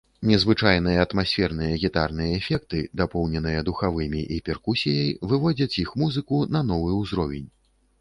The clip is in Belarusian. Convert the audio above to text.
Незвычайныя атмасферныя гітарныя эфекты, дапоўненыя духавымі і перкусіяй выводзяць іх музыку на новы ўзровень.